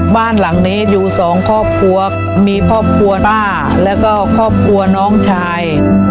บ้านหลังนี้อยู่สองครอบครัวมีครอบครัวป้าแล้วก็ครอบครัวน้องชาย